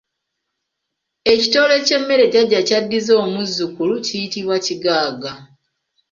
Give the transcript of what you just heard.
Ekitole ky’emmere jjajja ky'addiza omuzzukulu kiyitibwa kigaaga.